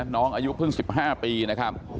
น้องอายุขึ้น๑๕ปีนะครับ